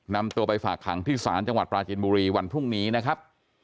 นำตัวไปฝากขังที่ศาลจังหวัดปราจินบุรีวันพรุ่งนี้นะครับ